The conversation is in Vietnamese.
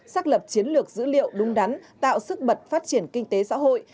xác lập chiến lược dữ liệu đúng đắn tạo sức bật phát triển kinh tế xã hội